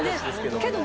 けどね